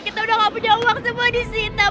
kita udah gak punya uang semua di sini